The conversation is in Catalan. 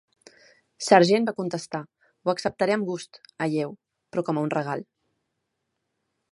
Sargent va contestar "Ho acceptaré amb gust, Helleu, però com a un regal".